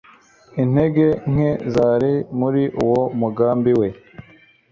intege nke zari muri uwo mugambi we